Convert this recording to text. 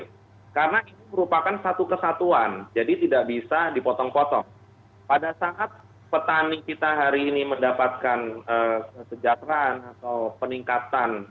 pertempatan unsur onu ya karena itu merupakan satu kesatuan jadi tidak bisa dipotong potong pada saat petani kita hari ini mendapatkan sejarah menit